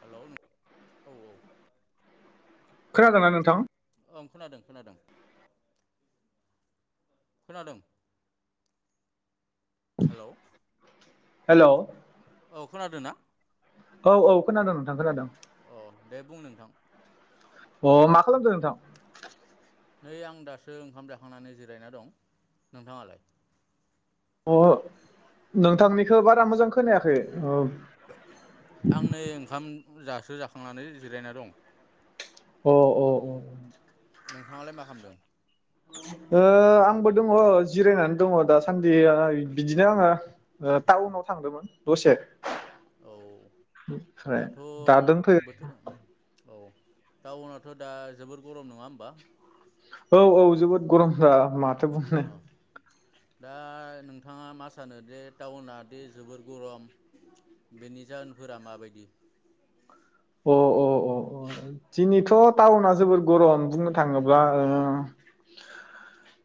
हेल' औ औ। खोनादोना नोंथां। ओं खोनादों खोनादों। खोनादों हेल' हेल' औ खोनादो ना? औ औ खोनादों नोंथां खोनादों। अ दे बुं नोंथां अ मा खालामदों नोंथां? नै आं दासो ओंखाम जाखांनानै जिरायना दं नोंथाङालाय? अ नोंथांनिखो बारा मोजां खोनायाखै ओ आं नै ओंखाम जासो जाखांनानै जिरायना दं। अ अ अ। नोंथाङालाय मा खामदों? ओ आंबो दङ जिरायनानै दङ दासान्दिया आ इ बिदिनो आङो ओ टाउनाव थांदोंमोन दसे औ ओमफ्राय दाथ' दा दोनफैयो बोथोर औ टाउनाथ' दा जोबोर गरम नङा होबा? औ औ जोबोद गरमथा माथ थो बुंनो? अ दा नोंथाङा मा सानो दे टाउनादि जोबोर गरम बेनि जाहोनफोरा माबायदि? अ' अ' अ' अ' दिनैथ' टाउना जोबोर गरम बुंनो थाङोब्ला ओ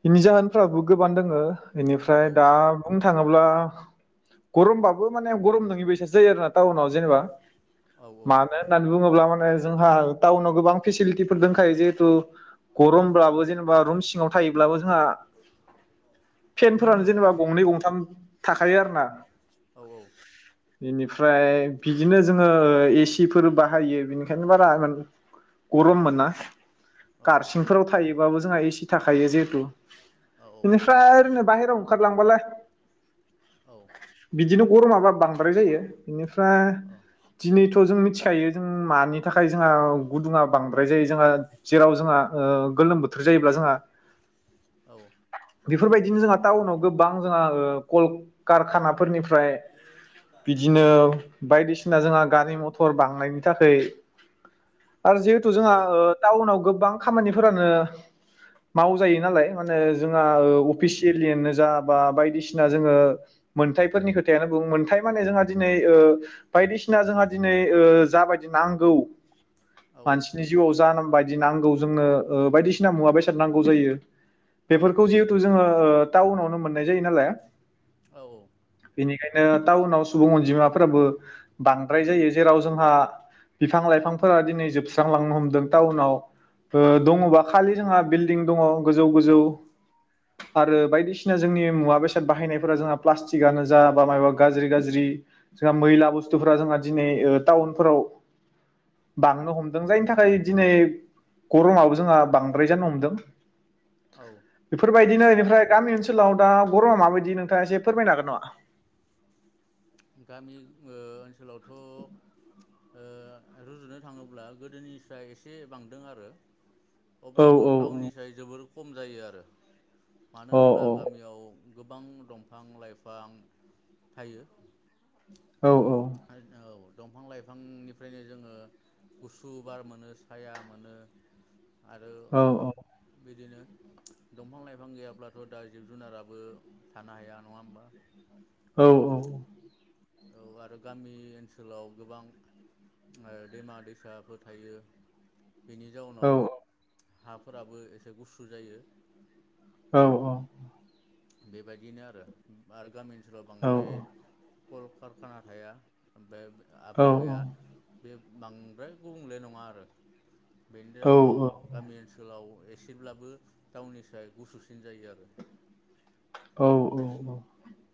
इनि जाहोनफ्राबो गोबां दोङो। बेनिफ्राय औ दा बुं थाङाब्ला गरमबाबो माने गरम नोङि बायसासो जायो आरोना टाउनाव जेनेबा। औ औ। मानो होननानै बुङोब्ला माने जोंहा टाउनाव गोबां फेसिलिटिफोर दंखायो जेहेथु औ गरमब्लाबो जेनेबा रुम सिङाव सायोब्लाबो जोंहा फेनफोरानो औ जेनेबा गंनै गंथाम थाखायो आरो ना। औ औ बेनिफ्राय बिदिनो जोङो ए सि सिफोर बाहायो बिनिखायनो बारा इमान‌ गरम मोना। औ कारसिंफोराव थायो। बाबो जोंहा एसि थाखायो जिहेतु औ औ बिनिफ्राय ओरैनो‌ बाहेराव ओंखारलांबालाय औ बिदिनो गरमाबा बांद्राय जायो बेनिफ्रा [unintelligible] दिनै थ जोंनि मिथिखायो जों मानि थाखाय जोंहा गुदुङा बांद्राय जायो जोंहा जेराव जोंहा ओ गोलोम बोथोर जायोब्ला जोंहा औ बेफोरबायदिनो जोंहा टाउनाव गोबां जोंहा कल कारखानाफोरनि फ्राय बिदिनो बायदिसिना जोंहा गारि मथ थांनायनि थाखै आरो जिहेतु जोंहा ओ टाउनाव गोबां खामानिफोरानो मावजायो नालाय ओ जोंहा औ ओ अफिसियिलि जा बा बायदिसिना जोङो मोन्थायफोरनि खोथायानो बुं। मोन्थाय माने जोंहा दिनै ओ बायदिसिना जोंहा दिनै ओ जाबादि नांगौ मानसिनि जिउआव जानाम बायदि नांगौ जोंनो ओ बायदिसिना मुवा बेसाद नांगौ जायो। बेफोरखौ जिहेथु जोङो ओ टाउनावनो मोननाय जायो नालाय औ ओ टाउनाव सुबुं अनजिमाफोराबो बां बांद्र जायो जेराव जोंहा बिफां लाइफांफोरा दिनै जोबस्रांलांनो हमदों टाउनाव ओ दङबा खालि जोंहा बिलडिं दङ। गोजौ गोजौ आरो बायदिसिना जोंनि मुवा बेसाद बाहायनायफोरा औ जोंहा प्लास्टिकआनो जा बा माइबा गाज्रि गाज्रि जोंहा मैला बुस्थुफोरा जोंहा। दिनै ओ टाउनफोराव बांनो हमदों जायनि थाखाय दिनै गरमाबो जोंहा बांद्राय जानो हमदों। औ बेफोरबायदिनो ओमफ्राय गामि ओनसोलाव दा ग'रमा माबादि नोंथाङा एसे फोरमायनो हागोन नामा? गामि ओनसोलावथ' ओ रुजुनो थाङोब्ला गोदोनि स्राय एसे बांदों आरो। औ अब्लाबो औ टाउननि साय जोबोर। खम जायो आरो। मानो औ होनब्ला गामियाव गोबां दंफां लाइफां थायो। औ औ। औ दंफां लाइफांनिफ्रायनो जोङो गुसुब बार मोनो साया मोनो आरो। औ औ बिदिनो दंफां लाइफां गैयाब्लाथ दा जिब जुनाराबो थानो हाया नङा होमबा। औ औ। औ आरो गामि ओनसोलाव गोबां ओ दैमा दैसाफोर थायो। बेनि जाउनाव। औ हाफोराबो एसे गुसु जायो औ औ। बेबायदिनो आरो आरो गामिनि बिसोराव बांद्राय। कल कारखाना थाया बे। आबहावाया बे। बांद्राय गुबुंले नङा आरो। बेनि जाउनाव गामि ओनसोलाव एसेब्लाबो टाउननि स्राय गुसुसिन जायो आरो। औ औ औ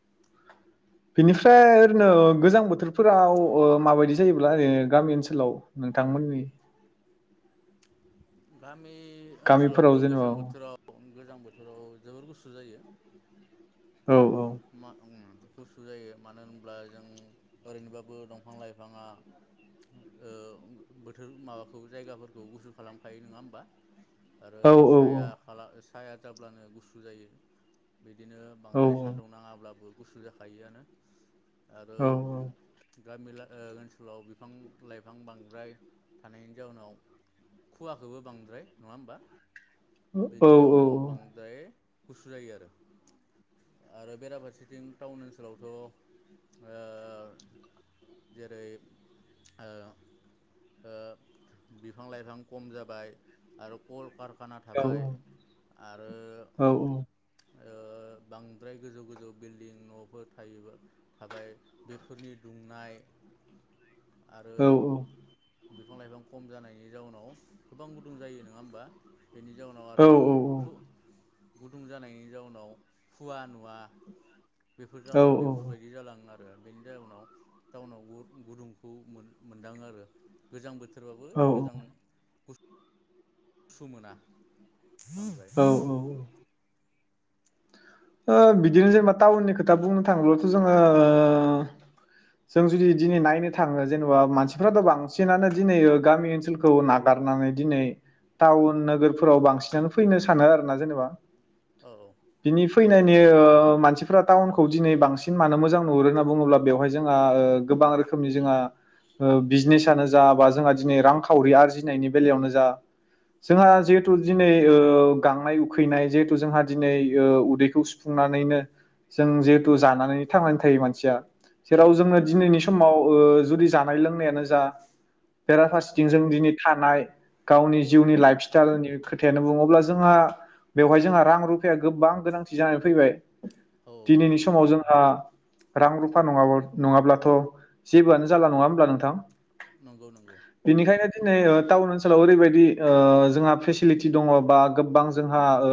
बेनिफ्राय ओरैनो गोजां बोथोरफोराव माबायदि जायोब्ला ओरैनो गामि ओनसोलाव नोंथांमोननि। गामि ओनसोलावथ' गामिफोराव जेनेबा गोजां बोथोराव गोजां बोथोराव जोबोर गुसु जायो। औ मा ओम गुसु जायो मानो होनब्ला जों ओरैनोबाबो दंफां लाइफाङा ओ बोथोर माबाखौ जायगाफोरखौ गुसु खालामखायो नङा होमबा आरो औ साया खाला। साया जाब्लानो गुसु जायो। बिदिनो औ बांद्रेस। सान्दुं नाङाब्लाबो गुसु जाखायोआनो आरो औ औ। गामि ला ओ ओनसोलाव बिफां लाइफां बांद्राय थानायनि जाउनाव खुवाखोबो बांद्राय नुवा होमबा? औ बेनि जाउनाव बांद्राय गुसु जायो आरो। आरो बेराफारसेथिं टाउन ओनसोलावथ' ओ जेरै ओ ओ बिफां लाइफां खम जाबाय आरो कल कारखाना थाबाय आरो ओ बां बांद्राय गोजौ गोजौ बिल्डिं नफोर थायोबा थाबाय बेफोरनि दुंनाय आरो औ औ बिफां लाइफां खम जानायनि जाउनाव गोबां गुदुं जायो नङा होमबा? बेनि जाउनाव आरो फु गुदुं जानायनि जाउनाव फुवा नुवा। बेफोर जा बेफोरबायदि जालाङो आरो बेनि जाउनाव टाउनाव गु-गुदुंखौ मोन-मोनदाङो आरो गोजां बो थोरावबो औ गोजां गु गुसु मोना। औ [unintelligible] औ ओ बिदिनो जेनेबा टाउननि खोथा बुंनो थाङोब्लाथ जोङो जों जुदि दिनै नायनो थाङो जेनेबा मानसिफ्राथ बांसिनानो दिनै गामि ओनसोलखौ नागारनानै दिनै टाउन नोगोरफोराव बांसिनानो फैनो सानो आरो ना जेनेबा। औ दिनिभ नायनि ओ मानसिफफोरा टाउनखौ दिनै बांसिन मानो मोजां नुहुरो होनना बुङोब्ला बेवहाय जोंहा गोबां रोखोमनि जोंहा बिजनेसनो जा बा जोंहा दिनै रांखावरि आरजिनायनि बेलायावनो जा जोंहा औ जिहेथु दिनै ओ गांनाय उखैनाय जिहेथु जोंहा दिनै ओ उदै सुफुंनानैनो जों [unintelligible] तु जानानै थांनानै थायो मानसिया जेराव औ जोंनो दिनैनि समाव ओ जुदि जानाय लोंनायानो जा औ बेराफारसेथिं जों दिनै थानाय गावनि जिउनि लाइफ स्टाइलनि खोथायानो बुङोब्ला जोंहा बेवहाय जोंहा रां रुफाया गोबां गोनां। थि जानो फैबाय। औ दिनैनि नंगौ समाव जोंहा। रां रुफा नङाब नङाब्लाथ जेबोआनो जाला नङा होमब्ला नोंथां? नंगौ नंगौ बेनिखायनो दिनै टाउन ओनसोलाव ओरैबायदि ओ जोंहा फेसिलिटि दङ बा गोबां जोंहा ओ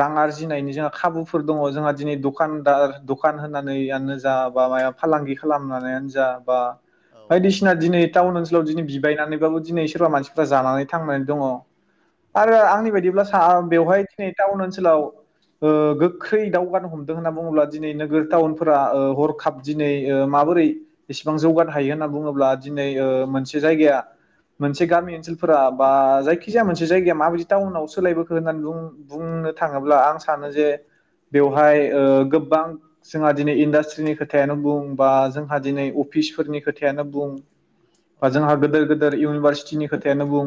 रां आरजिनायनि जोंहा खाबुफोर दङ जोंहा दिनै दखानदार दखान होनानैयानो जा बा मा फालांगि खालामनानैनो जा बा औ बायदिसिना दिनै टाउन ओनसोलाव दिनै बिबायनानैबाबो दिनै सोरबा मानसिफ्रा जानानै थांनानै दङ। औ आरो नंगौ आंनि बायदिब्ला सा बेवहाय बे टाउन ओनसोलाव ओ गोख्रै दावगानो हमदों होनना बुङोब्ला दिनैनि नोगोर टाउनफोरा ओ हरखाब दिनै ओ माबोरै एसेबां जौगानो हायो होनना बुङोब्ला दिनै ओ मोनसे जायगाया मोनसे गामि ओनसोलफोरा बा जायखिजाया मोनसे जायगाया माबायदि टाउनाव सोलायबोखो होननानै बुं बुंनो थाङोब्ला आं सा सानो जे बेवहाय ओ गोबां जोंहा दिनै इन्डास्ट्रिनि खोथायानो बुं बा जोंहा दिनै अफिसफोरनि खोथायानो बुं औ बा जोंहा गोेदोर गोेदेद इउनिभारसिटिनि खोथायानो बुं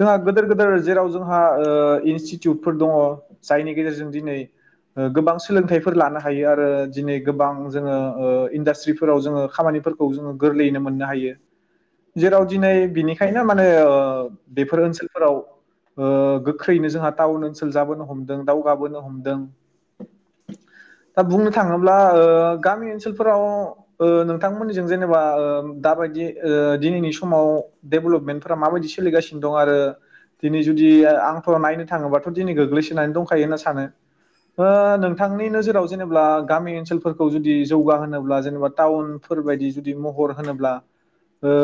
जोंहा औ गेदेर गेदेर जेराव जों हा ओ इन्सटिटिउटफोर दङ जायनि गेजेरजों दिनै ओ गोबां सोलोंथाइफोर लानो हायो आरो दिनै गोबां जोङो ओ इन्दास्ट्रिफोराव जोङो खामानिफोरखौ जोङो गोरलैयैनो मोननो हायो जेराव दिनै बिनिखायनो माने ओ बेफोर ओनसोलफोराव ओ गोख्रैनो जोंहा टाउन ओनसोल जाबोनो हमदों। दावगाबोनो हमदों बुंनो थाङोब्ला ओ गामि ओनसोलफोराव औ ओ नोंथांमोननिजों जेनेबा ओ दा बायदि ओ दिनैनि समाव देबेलभमेन्दफोरा माबायदि सोलिगासिनो दं आरो दिनै जुदि आंथ नायनो थाङोबाथ दिनै गोग्लैसोनानै दंखा थायो होनना सानो ओ नों नोंथांनि औ नोजोराव जेनेब्ला गामि ओनसोलफोरखौ जुदि जौगा होनोब्ला जेनेबा टाउनफोर बायदि जुदि महर होनोब्ला ओ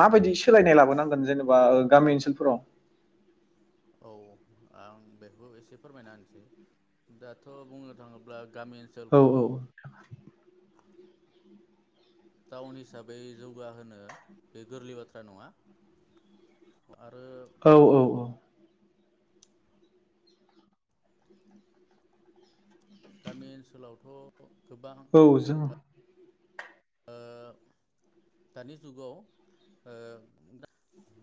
माबायदि सोलायनाय लाबोनांगोन जेनेबा ओ गामि ओनसोलफोराव? औ आं बेखौ एसे फोरमायना होनसै दाथ' बुंनो थाङोब्ला गामि औ ओनसोलखौ टाउन हिसाबै जौगाहोनो बे गोरलै बाथ्रा नङा। आरो औ औ औ। गामि ओनसोलावथ' गोबां औ ओ जोंहा दानि जुगाव ओ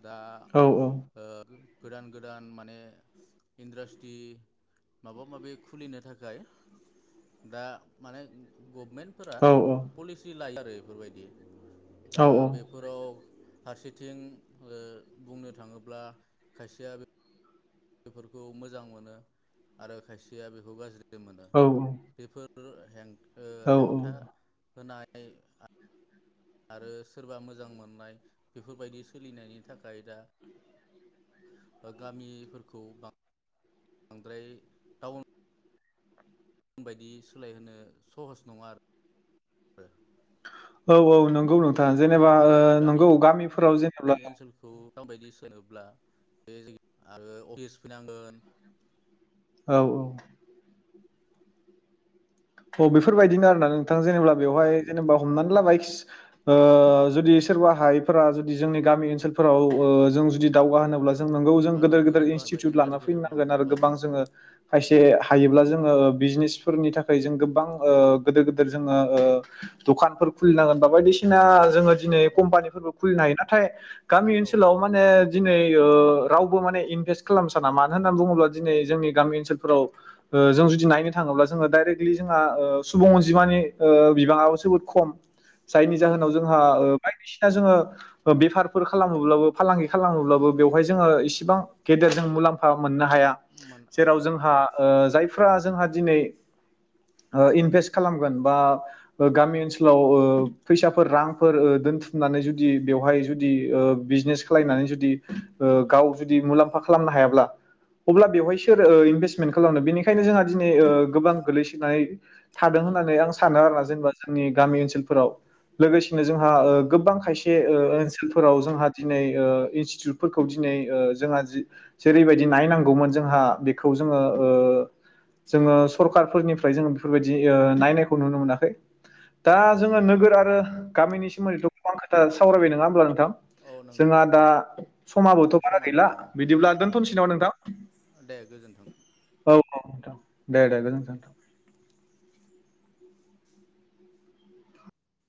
दा औ ओ गोदान गोदान माने इन्ड्रास्ट्रि माबा माबि खुलिनो थाखाय दा माने गभमेन्टफोरा औ पलिसि लाय [unintelligible] बैफोरबायदि दा औ बेफोराव फारसेथिं ओ बुंनो थाङोब्ला खायसेया बे बेफोरखौ मोजां मोनो आरो खायसेया बेखौ गाज्रि मोनो औ बेफोर ओ हेंथ ओ औ औ हेंथा होनाय [unintelligible] आरो सोरबा मोजां मोननाय बेफोरबायदि सोलिनायनि थाखाय दा ओ गामिफोरखौ बां आद्राय टाउन बायदि सोलायहोनो सहस नङा आरो औ औ नंगौ नोंथां। जेनेबा ओ आरो गामि नोंगौ गामिफोराव जेनेबा माबायदि सोलाब्ला बे ज आरो अफिस फैनांगोन। औ औ। औ बेफोरबायदिनो आरो नों जेनेबा बेवहाय जेनेबा हमनानै लाबाय ओ जुदि सोरबा हायैफोरा जुदि जोंनि गामि ओनसोलफोराव ओ जों जुदि दावगा होनोब्ला जों नोंगौ जों गोदोर गामिखौ गोदोर जौगाहोबाय इनस्टिउट इन्डास्ट्रि लानो फैनांगोन आरो फैनो औ गोबां जोङो फायसे हायोब्ला जोङो बिजनेसफोरनि था जों गोबां ओ गोदोर गोदोर जोङो ओ दखानफोर खुलिनांगोन बा बायदिसिना जोङो दिनै औ कम्पानिफोरबो खुलिनो हायो ना? थाय गामि औ ओनसोलाव माने दिनै ओ रावबो माने इनभेस्ट खालामनो साना मानो होनना बुङोब्ला दिनै जोंनि गामि ओनसोलफोराव ओ जों जुदि नायनो थाङोब्ला जोङो दाइरेक्ट जोंहा ओ सुबुं अनजिमानि ओ बिबाङाबो जोबोद खम जायनि जाहोनाव औ जोंहा ओ बायदिसिना जोङो बेफारफोर खालामोब्लाबो फालांगि खालामोब्लाबो बेवहाय जोङो औ इसेबां गेदेर जों मुलाम मोननो हा मोन औ जेराव औ जोंहा ओ जायफ्र जोंहा दिनै ओ इनभेस्ट खालामगोन बा गामि ओनसोलाव ओ फैसाफोर रांफोर ओ दोनथुमनानै जुदि बेवहाय जुदि ओ बिजनेस खालामलायनानै जुदि ओ गाव जुदि मुलाम्फा खालामनो हायाब्ला अब्ला बेवहाय सोर ओ इनभेस्टमेन्ट खालामनो बेनिखायनो जोंहा दिनै ओ गोबां गोल्लै नाय थादों औ होननानै आं सानो आरोना जेनेबा जोंनि गामि ओनसोलफोराव लोगोसेनो जोंहा ओ गोबां खायसे ओ ओनसोलफोराव जोंहा दिनै ओ इन्स्टिटिउटफोरखौ दिनै ओ जोंहा जे जेरैबायदि नायनांगौमोन जोंहा बेखौ जोङो ओ जोङो सरखारफोरनि ओमफ्राय जोङो बेफोरबायदि ओ नायनायखौ नुनो मोनाखै। दा औ नंगौ जोङो बे नोगोर बाथ्राया आरो गामिनि सोमोन्दैथ' गोबां खोथा सावरायबाय नङा हामब्ला औ नंगौ जोंहा दा समाबोथ' बारा समा गैला जाबाय औ बिदिब्ला औ दोनथ'नोसै नामा नोंथां दे गोजोन्थों औ औ नोंथां। दे दे दे गोजोनथों।